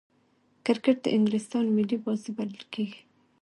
کرکټ د انګلستان ملي بازي بلل کیږي.